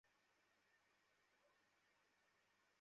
এতো শুধু এসেই চলেছে।